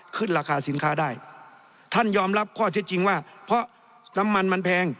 ขึ้นราคาสินค้าได้ท่านยอมรับข้อเท็จจริงว่าเพราะน้ำมันมันแพง